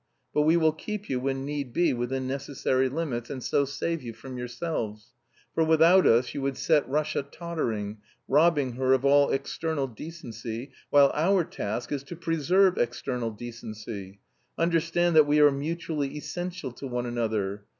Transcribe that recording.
But we will keep you, when need be, within necessary limits, and so save you from yourselves, for without us you would set Russia tottering, robbing her of all external decency, while our task is to preserve external decency. Understand that we are mutually essential to one another.